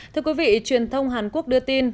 thưa quý vị truyền thông hàn quốc đưa tin